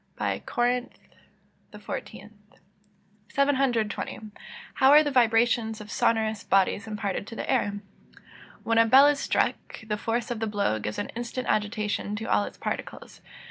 CORINTH. XIV.] 720. How are the vibrations of sonorous bodies imparted to the air? When a bell is struck, the force of the blow gives an instant agitation to all its particles.